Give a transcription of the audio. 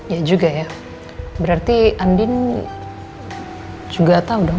ya juga ya berarti andin juga tahu dong